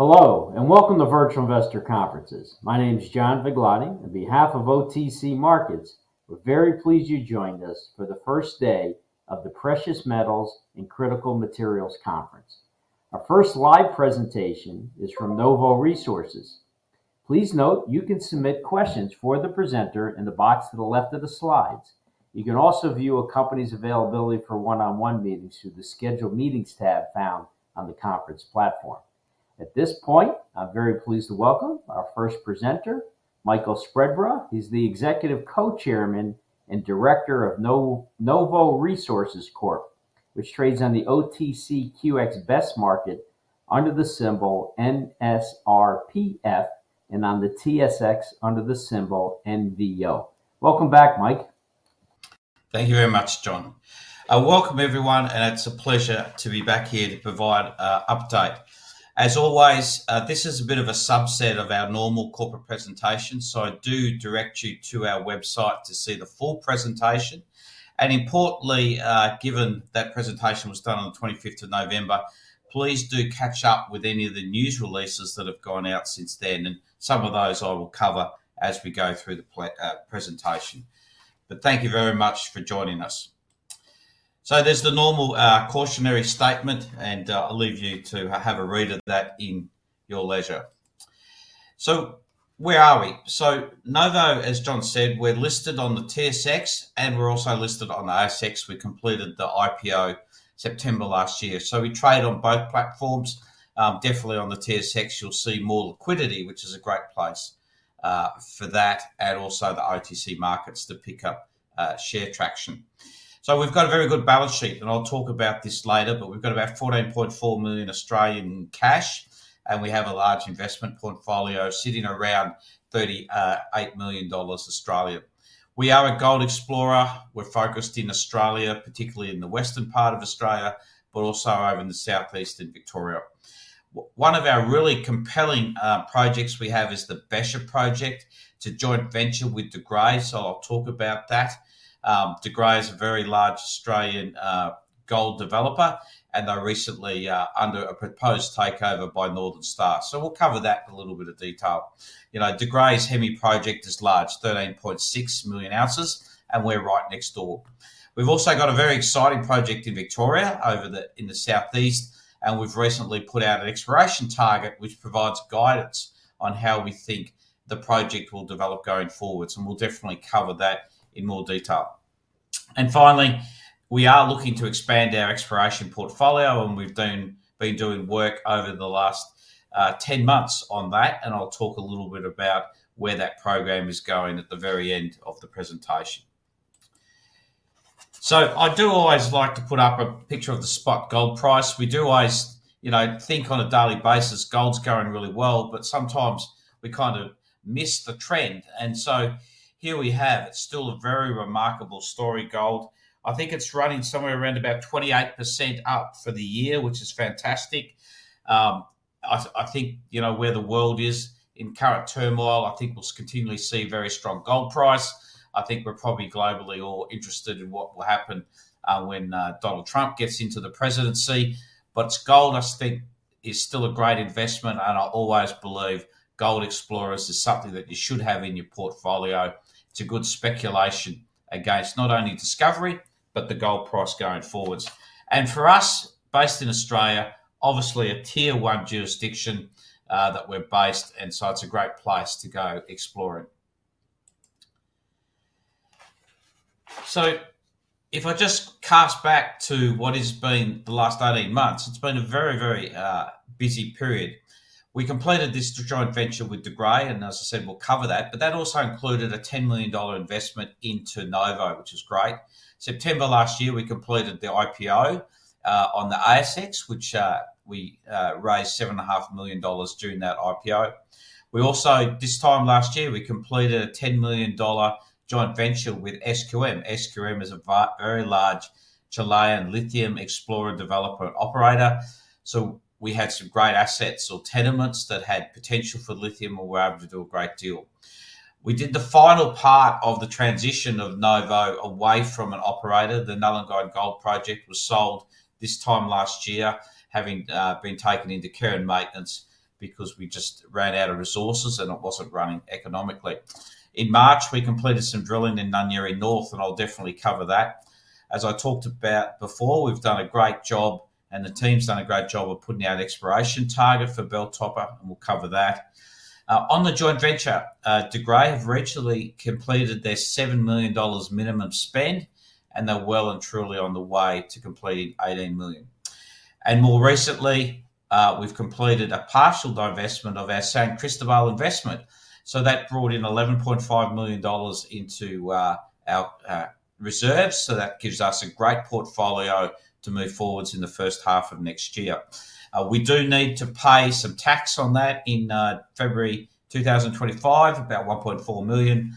Hello, and welcome to Virtual Investor Conferences. My name is John Vigliotti. On behalf of OTC Markets, we're very pleased you joined us for the first day of the Precious Metals and Critical Materials Conference. Our first live presentation is from Novo Resources. Please note you can submit questions for the presenter in the box to the left of the slides. You can also view a company's availability for one-on-one meetings through the Schedule Meetings tab found on the conference platform. At this point, I'm very pleased to welcome our first presenter, Michael Spreadborough. He's the Executive Co-Chairman and Director of Novo Resources Corp., which trades on the OTCQX Best Market under the symbol NSRPF and on the TSX under the symbol NVO. Welcome back, Mike. Thank you very much, John. Welcome, everyone, and it's a pleasure to be back here to provide an update. As always, this is a bit of a subset of our normal corporate presentation, so I do direct you to our website to see the full presentation. Importantly, given that presentation was done on the 25th of November, please do catch up with any of the news releases that have gone out since then. Some of those I will cover as we go through the presentation. But thank you very much for joining us. So there's the normal cautionary statement, and I'll leave you to have a read of that at your leisure. So where are we? So Novo, as John said, we're listed on the TSX, and we're also listed on the ASX. We completed the IPO September last year. So we trade on both platforms. Definitely on the TSX, you'll see more liquidity, which is a great place for that, and also the OTC markets to pick up share traction. So we've got a very good balance sheet, and I'll talk about this later, but we've got about 14.4 million, and we have a large investment portfolio sitting around 38 million Australian dollars. We are a gold explorer. We're focused in Australia, particularly in the western part of Australia, but also over in the southeast in Victoria. One of our really compelling projects we have is the Becher project to joint venture with De Grey. So I'll talk about that. De Grey is a very large Australian gold developer, and they're recently under a proposed takeover by Northern Star. So we'll cover that in a little bit of detail. De Grey's Hemi project is large, 13.6 million ounces, and we're right next door. We've also got a very exciting project in Victoria over in the southeast, and we've recently put out an exploration target, which provides guidance on how we think the project will develop going forwards, and we'll definitely cover that in more detail. Finally, we are looking to expand our exploration portfolio, and we've been doing work over the last 10 months on that, and I'll talk a little bit about where that program is going at the very end of the presentation. So I do always like to put up a picture of the spot gold price. We do always think on a daily basis, gold's going really well, but sometimes we kind of miss the trend, and so here we have, it's still a very remarkable story, gold. I think it's running somewhere around about 28% up for the year, which is fantastic. I think where the world is in current turmoil, I think we'll continually see a very strong gold price. I think we're probably globally all interested in what will happen when Donald Trump gets into the presidency. But gold, I think, is still a great investment, and I always believe gold explorers is something that you should have in your portfolio. It's a good speculation against not only discovery, but the gold price going forwards. For us, based in Australia, obviously a Tier 1 jurisdiction that we're based, and so it's a great place to go exploring. So if I just cast back to what has been the last 18 months, it's been a very, very busy period. We completed this joint venture with De Grey, and as I said, we'll cover that but that also included a $10 million investment into Novo, which is great. September last year, we completed the IPO on the ASX, which we raised 7.5 million dollars during that IPO. This time last year, we completed a 10 million dollar joint venture with SQM. SQM is a very large Chilean lithium explorer, developer, and operator. So we had some great assets or tenements that had potential for lithium and were able to do a great deal. We did the final part of the transition of Novo away from an operator. The Nullagine Gold Project was sold this time last year, having been taken into care and maintenance because we just ran out of resources and it wasn't running economically. In March, we completed some drilling in Nunyerry North, and I'll definitely cover that. As I talked about before, we've done a great job, and the team's done a great job of putting out an exploration target for Belltopper, and we'll cover that. On the joint venture, De Grey have recently completed their 7 million dollars minimum spend, and they're well and truly on the way to completing 18 million. More recently, we've completed a partial divestment of our San Cristóbal investment. That brought in 11.5 million dollars into our reserves. That gives us a great portfolio to move forwards in the first half of next year. We do need to pay some tax on that in February 2025, about 1.4 million.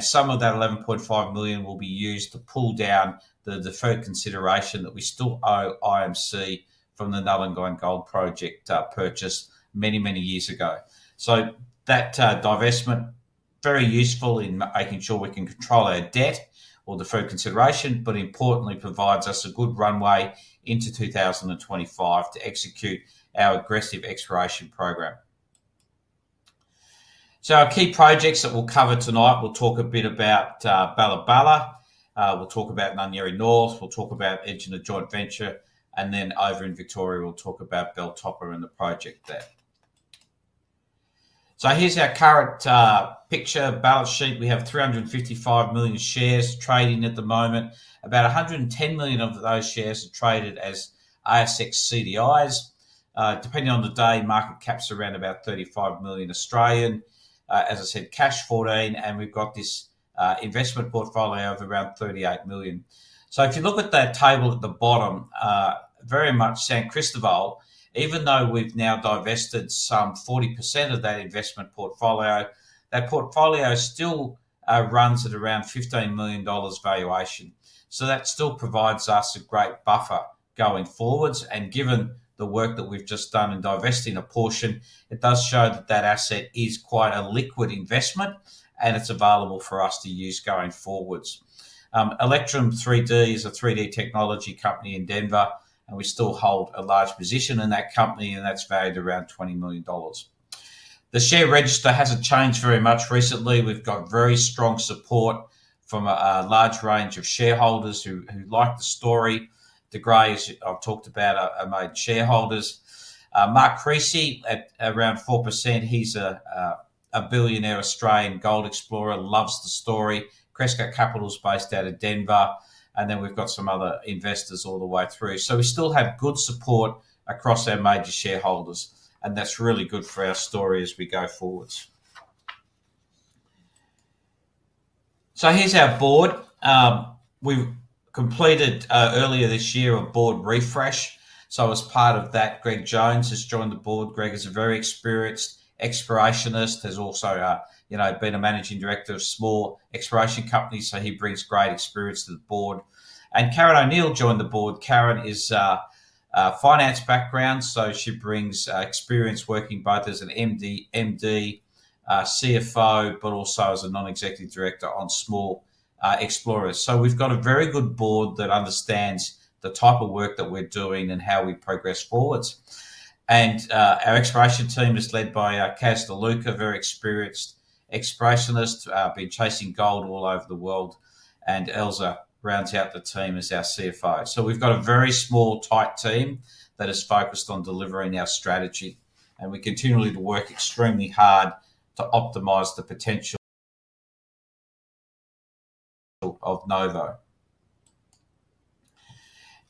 Some of that 11.5 million will be used to pull down the deferred consideration that we still owe IMC from the Nullagine Gold Project purchase many, many years ago. That divestment is very useful in making sure we can control our debt or deferred consideration, but importantly, provides us a good runway into 2025 to execute our aggressive exploration program. Our key projects that we'll cover tonight, we'll talk a bit about Balla Balla. We'll talk about Nunyerry North. We'll talk about Egina Joint Venture. Then over in Victoria, we'll talk about Belltopper and the project there. Here's our current picture balance sheet. We have 355 million shares trading at the moment. About 110 million of those shares are traded as ASX CDIs. Depending on the day, market caps are around about 35 million. As I said, cash 14 million, and we've got this investment portfolio of around 38 million. So if you look at that table at the bottom, very much San Cristóbal, even though we've now divested some 40% of that investment portfolio, that portfolio still runs at around 15 million dollars valuation. So that still provides us a great buffer going forwards and given the work that we've just done in divesting a portion, it does show that that asset is quite a liquid investment, and it's available for us to use going forward. Elementum 3D is a 3D technology company in Denver, and we still hold a large position in that company, and that's valued around 20 million dollars. The share register hasn't changed very much recently. We've got very strong support from a large range of shareholders who like the story. De Grey, as I've talked about, are major shareholders. Mark Creasy at around 4%. He's a billionaire Australian gold explorer, loves the story. Cresco Capital is based out of Denver and then we've got some other investors all the way through. So we still have good support across our major shareholders, and that's really good for our story as we go forward. So here's our board. We completed earlier this year a board refresh. So as part of that, Greg Jones has joined the board. Greg is a very experienced explorationist. He's also been a managing director of a small exploration company, so he brings great experience to the board. Karen O'Neill joined the board. Karen is a finance background, so she brings experience working both as an MD, CFO, but also as a non-executive director on small explorers. So we've got a very good board that understands the type of work that we're doing and how we progress forwards. Our exploration team is led by Kas De Luca, a very experienced explorationist being chasing gold all over the world and Elza van der Walt rounds out the team as our CFO. So we've got a very small, tight team that is focused on delivering our strategy and we continually work extremely hard to optimize the potential of Novo.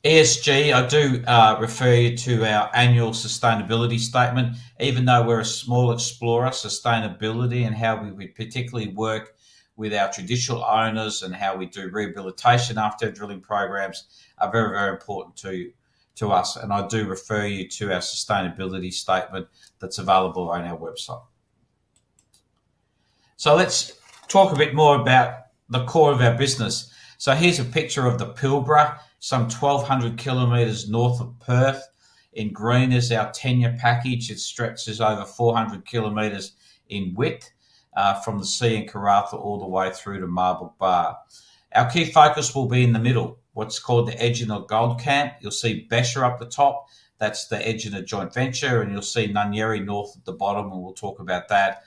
ESG, I do refer you to our annual sustainability statement. Even though we're a small explorer, sustainability and how we particularly work with our traditional owners and how we do rehabilitation after drilling programs are very, very important to us. I do refer you to our sustainability statement that's available on our website. Let's talk a bit more about the core of our business. Here's a picture of the Pilbara, some 1,200 kilometers north of Perth. In green is our tenure package. It stretches over 400 kilometers in width from the sea in Karratha all the way through to Marble Bar. Our key focus will be in the middle, what's called the Egina Gold Camp. You'll see Becher up the top. That's the Egina Joint Venture. You'll see Nunyerry North at the bottom, and we'll talk about that.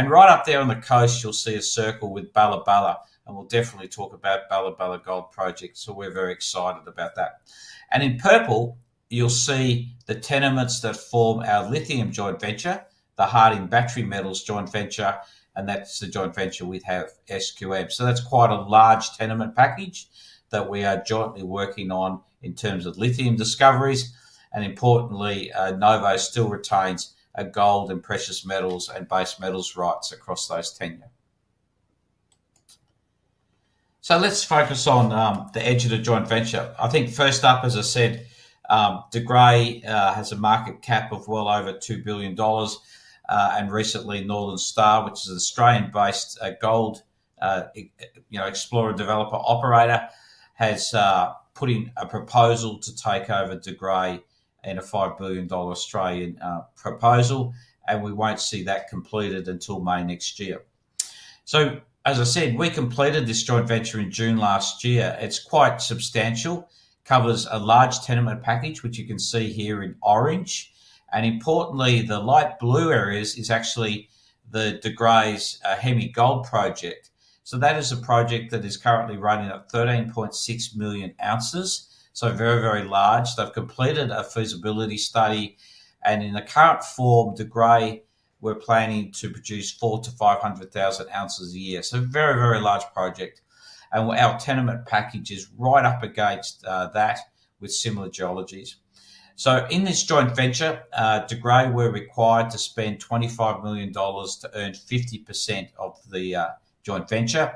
Right up there on the coast, you'll see a circle with Balla Balla. We'll definitely talk about Balla Balla Gold Project. We're very excited about that. In purple, you'll see the tenements that form our Lithium Joint Venture, the Harding Battery Metals Joint Venture, and that's the joint venture we have with SQM. That's quite a large tenement package that we are jointly working on in terms of lithium discoveries. Importantly, Novo still retains gold and precious metals and base metals rights across those tenements. Let's focus on the Egina Joint Venture. I think first up, as I said, De Grey has a market cap of well over 2 billion dollars. Recently, Northern Star, which is an Australian-based gold explorer developer operator, has put in a proposal to take over De Grey in a 5 billion Australian dollars proposal. We won't see that completed until May next year. As I said, we completed this joint venture in June last year. It's quite substantial. It covers a large tenement package, which you can see here in orange. Importantly, the light blue areas is actually the De Grey's Hemi Gold Project. That is a project that is currently running at 13.6 million ounces. Very, very large. They have completed a feasibility study. In the current form, De Grey is planning to produce 400,000-500,000 ounces a year. Very, very large project. Our tenement package is right up against that with similar geologies. In this joint venture, De Grey, we're required to spend 25 million dollars to earn 50% of the joint venture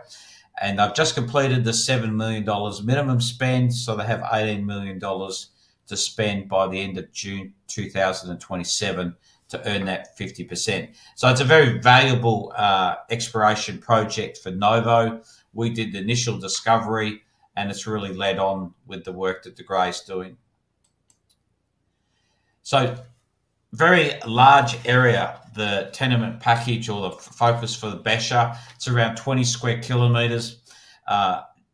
and they've just completed the 7 million dollars minimum spend. So they have 18 million dollars to spend by the end of June 2027 to earn that 50%. So it's a very valuable exploration project for Novo. We did the initial discovery, and it's really led on with the work that De Grey is doing. So very large area, the tenement package or the focus for the Becher. It's around 20 sq km.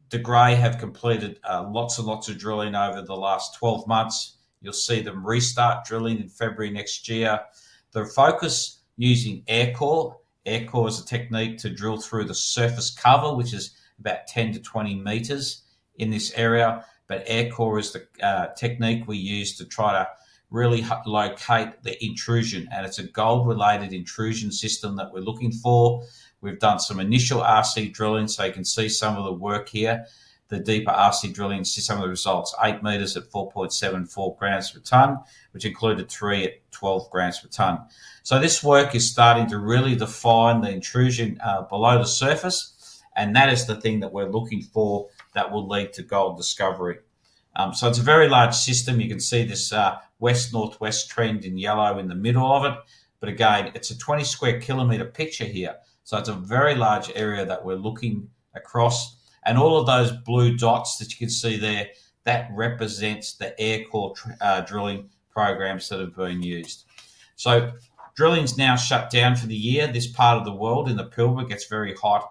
De Grey have completed lots and lots of drilling over the last 12 months. You'll see them restart drilling in February next year. The focus using aircore, aircore is a technique to drill through the surface cover, which is about 10 m -20 m in this area. But aircore is the technique we use to try to really locate the intrusion. It's a gold-related intrusion system that we're looking for. We've done some initial RC drilling, so you can see some of the work here. The deeper RC drilling, see some of the results, 8 m at 4.74 g per ton, which included three at 12 g per ton. This work is starting to really define the intrusion below the surface. That is the thing that we're looking for that will lead to gold discovery. It's a very large system. You can see this west-northwest trend in yellow in the middle of it. But again, it's a 20 sq km picture here. It's a very large area that we're looking across. All of those blue dots that you can see there, that represents the Aircore drilling programs that have been used. Drilling's now shut down for the year. This part of the world in the Pilbara gets very hot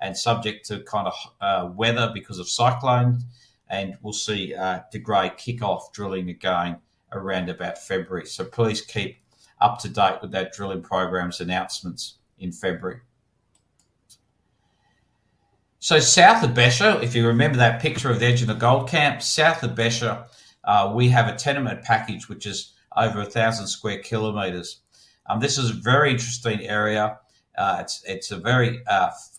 and subject to kind of weather because of cyclones and we'll see De Grey kick off drilling again around about February. So please keep up to date with that drilling program's announcements in February. So south of Becher, if you remember that picture of the Egina Gold Camp, south of Becher, we have a tenement package, which is over 1,000 sq km. This is a very interesting area. It's a very,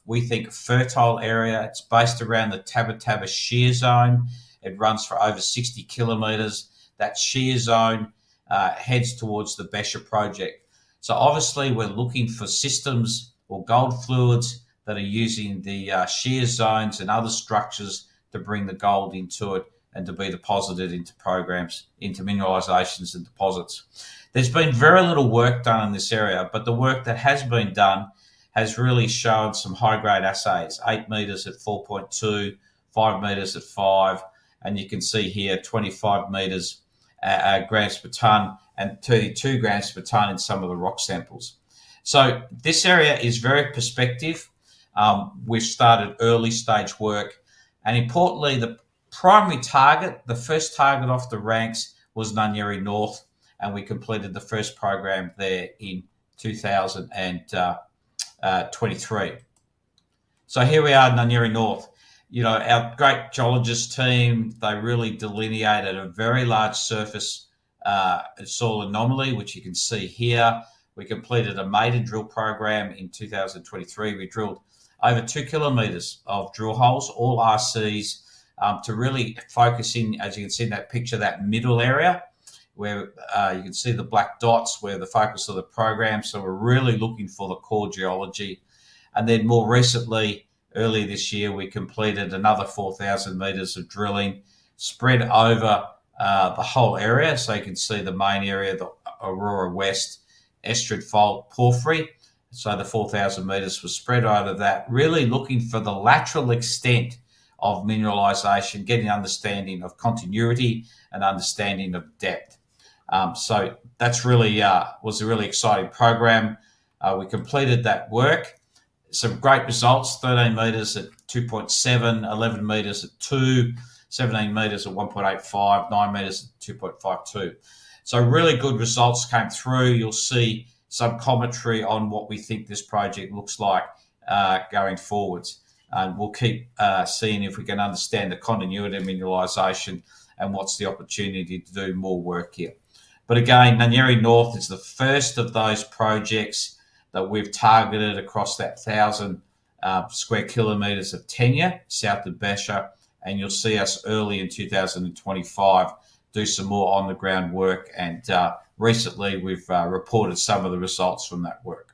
we think, fertile area. It's based around the Tabba Tabba Shear Zone. It runs for over 60 km. That shear zone heads towards the Becher project. So obviously, we're looking for systems or gold fluids that are using the shear zones and other structures to bring the gold into it and to be deposited into programs, into mineralizations and deposits. There's been very little work done in this area, but the work that has been done has really shown some high-grade assays, 8 m at 4.2, 5 m at 5. You can see here, 25 m g per ton and 32 g per ton in some of the rock samples. This area is very prospective. We've started early-stage work. Importantly, the primary target, the first target off the ranks was Nunyerry North, and we completed the first program there in 2023. Here we are in Nunyerry North. Our great geologist team, they really delineated a very large surface soil anomaly, which you can see here. We completed a maiden drill program in 2023. We drilled over 2 km of drill holes, all RCs, to really focus in, as you can see in that picture, that middle area where you can see the black dots were the focus of the program, so we're really looking for the core geology, and then more recently, earlier this year, we completed another 4,000 m of drilling spread over the whole area, so you can see the main area, the Aurora West, Estrid Fault, Porphyry. So the 4,000 m were spread out of that, really looking for the lateral extent of mineralization, getting an understanding of continuity and understanding of depth, so that was a really exciting program. We completed that work. Some great results, 13 m at 2.7, 11 m at two, 17 m at 1.85, 9 m at 2.52, so really good results came through. You'll see some commentary on what we think this project looks like going forwards and we'll keep seeing if we can understand the continuity of mineralization and what's the opportunity to do more work here. But again, Nunyerry North is the first of those projects that we've targeted across that 1,000 sq km of tenure south of Becher and you'll see us early in 2025 do some more on-the-ground work. Recently, we've reported some of the results from that work.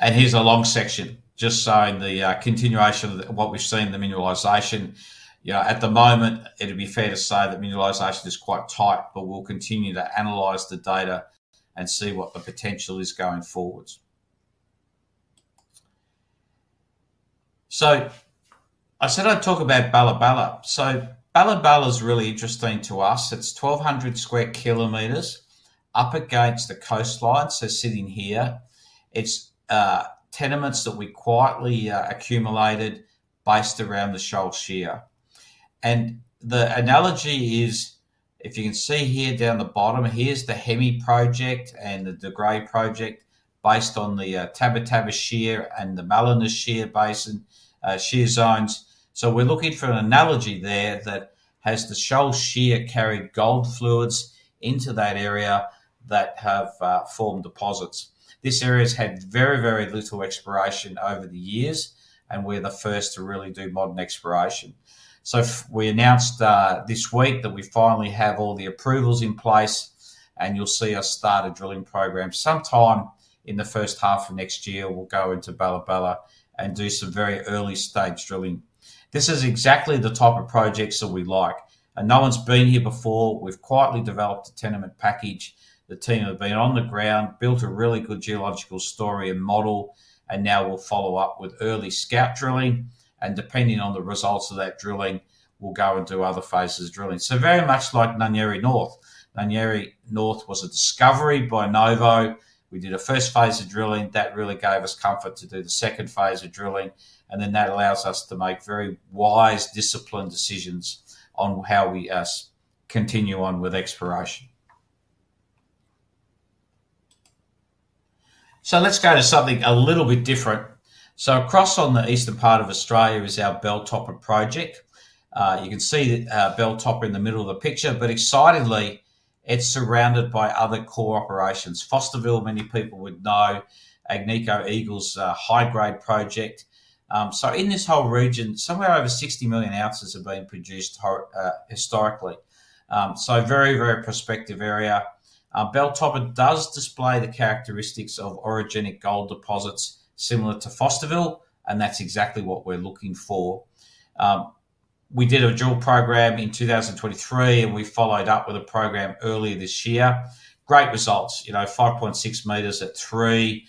Here's a long section just showing the continuation of what we've seen in the mineralization. At the moment, it'd be fair to say that mineralization is quite tight, but we'll continue to analyze the data and see what the potential is going forwards. So I said I'd talk about Balla Balla. So Balla Balla is really interesting to us. It's 1,200 sq km up against the coastline, so sitting here. It's tenements that we quietly accumulated based around the Sholl Shear, and the analogy is, if you can see here down the bottom, here's the Hemi project and the De Grey project based on the Tabba Tabba Shear Zone and the Mallina Shear Zone, so we're looking for an analogy there that has the Sholl Shear carried gold fluids into that area that have formed deposits. This area has had very, very little exploration over the years, and we're the first to really do modern exploration, so we announced this week that we finally have all the approvals in place, and you'll see us start a drilling program. Sometime in the first half of next year, we'll go into Balla Balla and do some very early-stage drilling. This is exactly the type of projects that we like. No one's been here before. We've quietly developed a tenement package. The team have been on the ground, built a really good geological story and model, and now we'll follow up with early scout drilling. Depending on the results of that drilling, we'll go and do other phases of drilling. Very much like Nunyerry North. Nunyerry North was a discovery by Novo. We did a first phase of drilling. That really gave us comfort to do the second phase of drilling. Then that allows us to make very wise, disciplined decisions on how we continue on with exploration. Let's go to something a little bit different. Across on the eastern part of Australia is our Belltopper project. You can see Belltopper in the middle of the picture, but excitingly, it's surrounded by other core operations. Fosterville, many people would know, Agnico Eagle's high-grade project. So in this whole region, somewhere over 60 million ounces have been produced historically. So very, very prospective area. Belltopper does display the characteristics of orogenic gold deposits similar to Fosterville, and that's exactly what we're looking for. We did a drill program in 2023, and we followed up with a program earlier this year. Great results, 5.6 m at 3, 2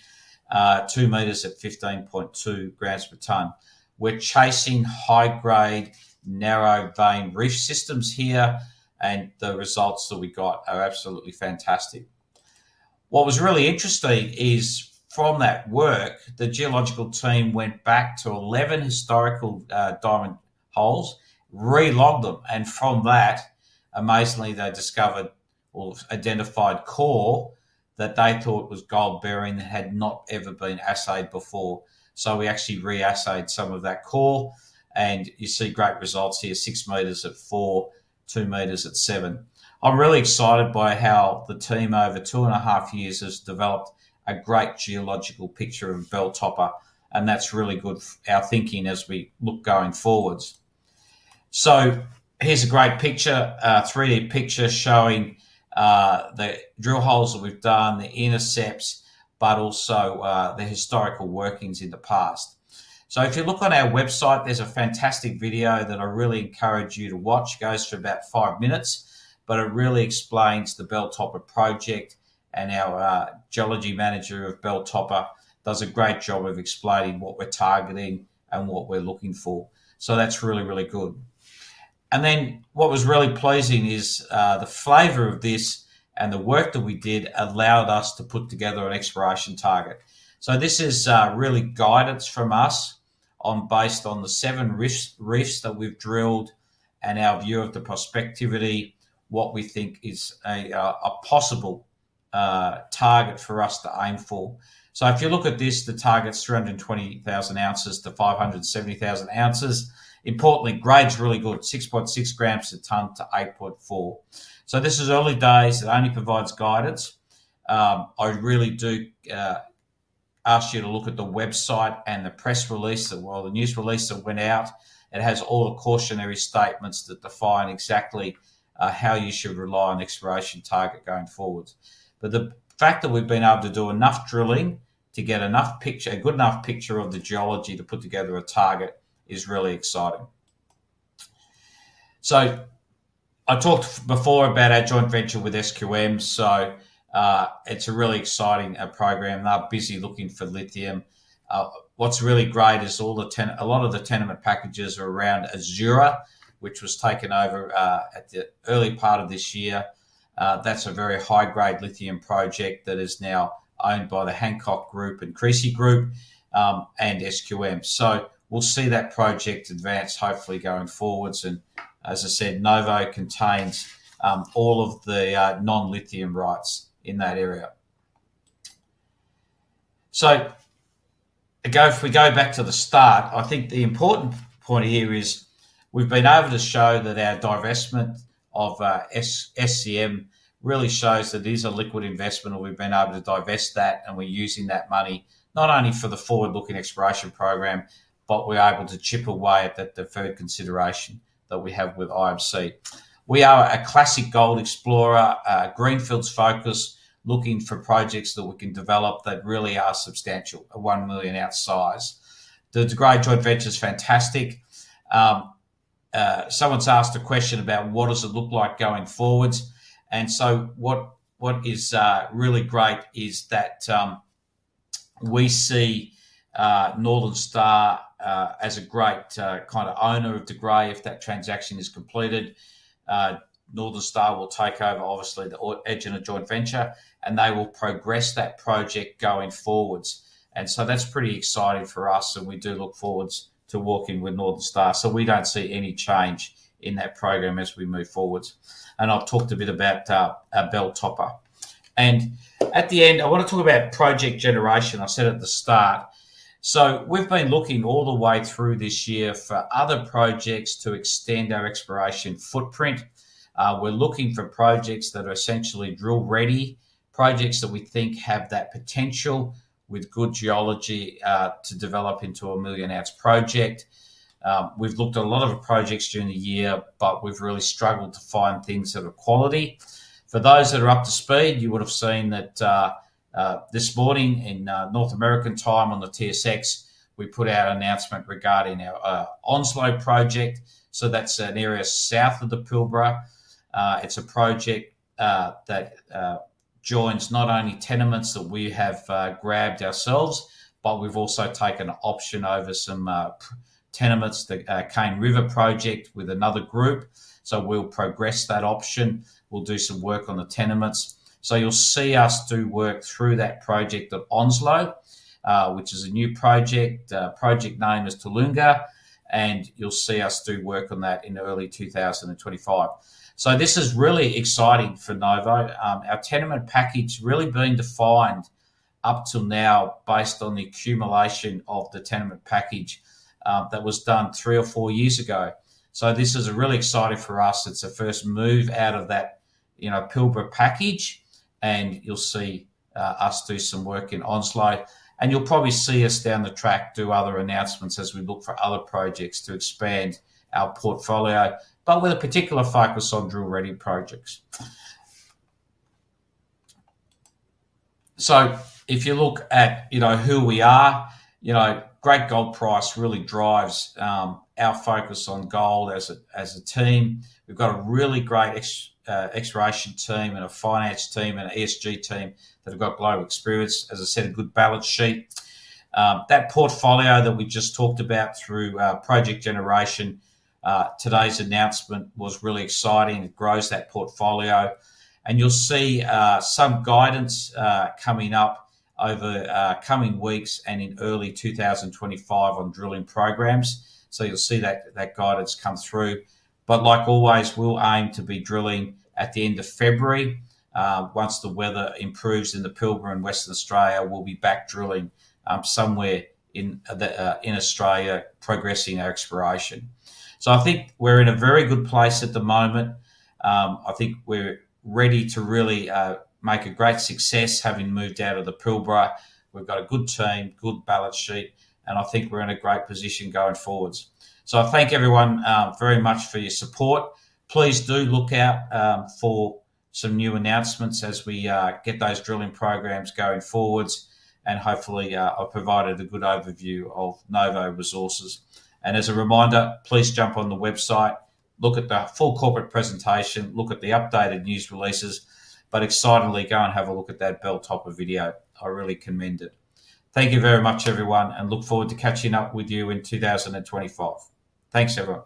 m at 15.2 g per ton. We're chasing high-grade, narrow-vein reef systems here, and the results that we got are absolutely fantastic. What was really interesting is from that work, the geological team went back to 11 historical diamond holes, relogged them, and from that, amazingly, they discovered or identified core that they thought was gold-bearing that had not ever been assayed before. We actually reassayed some of that core, and you see great results here, 6 m at 4, 2 m at 7. I'm really excited by how the team over two and a half years has developed a great geological picture of Belltopper, and that's really good for our thinking as we look going forwards. Here's a great picture, a 3D picture showing the drill holes that we've done, the intercepts, but also the historical workings in the past. If you look on our website, there's a fantastic video that I really encourage you to watch. It goes for about five minutes, but it really explains the Belltopper project, and our geology manager of Belltopper does a great job of explaining what we're targeting and what we're looking for. That's really, really good. What was really pleasing is the flavor of this and the work that we did allowed us to put together an exploration target. So this is really guidance from us based on the seven reefs that we've drilled and our view of the prospectivity, what we think is a possible target for us to aim for. So if you look at this, the target's 320,000-570,000 ounces. Importantly, grade's really good, 6.6 g-8.4 g a ton. So this is early days. It only provides guidance. I really do ask you to look at the website and the press release, the news release that went out. It has all the cautionary statements that define exactly how you should rely on exploration target going forwards. The fact that we've been able to do enough drilling to get a good enough picture of the geology to put together a target is really exciting. So I talked before about our joint venture with SQM, so it's a really exciting program. They're busy looking for lithium. What's really great is a lot of the tenement packages are around Azure, which was taken over at the early part of this year. That's a very high-grade lithium project that is now owned by the Hancock Group and Creasy Group and SQM. So we'll see that project advance, hopefully, going forwards. As I said, Novo contains all of the non-lithium rights in that area. So if we go back to the start, I think the important point here is we've been able to show that our divestment of SCM really shows that it is a liquid investment, and we've been able to divest that, and we're using that money not only for the forward-looking exploration program, but we're able to chip away at the deferred consideration that we have with IMC. We are a classic gold explorer, greenfields focus, looking for projects that we can develop that really are substantial, a 1 million ounce size. The De Grey Joint Venture is fantastic. Someone's asked a question about what does it look like going forward. So what is really great is that we see Northern Star as a great kind of owner of De Grey. If that transaction is completed, Northern Star will take over, obviously, the Egina Joint Venture, and they will progress that project going forward. That's pretty exciting for us, and we do look forward to working with Northern Star. We don't see any change in that program as we move forward. I've talked a bit about Belltopper. At the end, I want to talk about project generation. I said at the start. We've been looking all the way through this year for other projects to extend our exploration footprint. We're looking for projects that are essentially drill-ready, projects that we think have that potential with good geology to develop into a million-ounce project. We've looked at a lot of projects during the year, but we've really struggled to find things that are quality. For those that are up to speed, you would have seen that this morning in North American time on the TSX, we put out an announcement regarding our Onslow project. So that's an area south of the Pilbara. It's a project that joins not only tenements that we have grabbed ourselves, but we've also taken an option over some tenements, the Cane River project with another group. So we'll progress that option. We'll do some work on the tenements. So you'll see us do work through that project at Onslow, which is a new project. Project name is Tullunga, and you'll see us do work on that in early 2025. So this is really exciting for Novo. Our tenement package really being defined up till now based on the accumulation of the tenement package that was done three or four years ago. So this is really exciting for us. It's a first move out of that Pilbara package, and you'll see us do some work in Onslow, and you'll probably see us down the track do other announcements as we look for other projects to expand our portfolio, but with a particular focus on drill-ready projects. So if you look at who we are, great gold price really drives our focus on gold as a team. We've got a really great exploration team and a finance team and an ESG team that have got global experience, as I said, a good balance sheet. That portfolio that we just talked about through project generation, today's announcement was really exciting. It grows that portfolio, and you'll see some guidance coming up over coming weeks and in early 2025 on drilling programs, so you'll see that guidance come through, but like always, we'll aim to be drilling at the end of February. Once the weather improves in the Pilbara and Western Australia, we'll be back drilling somewhere in Australia progressing our exploration. So I think we're in a very good place at the moment. I think we're ready to really make a great success having moved out of the Pilbara. We've got a good team, good balance sheet, and I think we're in a great position going forwards. So I thank everyone very much for your support. Please do look out for some new announcements as we get those drilling programs going forwards, and hopefully, I've provided a good overview of Novo Resources. As a reminder, please jump on the website, look at the full corporate presentation, look at the updated news releases, but excitedly go and have a look at that Belltopper video. I really commend it. Thank you very much, everyone, and look forward to catching up with you in 2025. Thanks, everyone.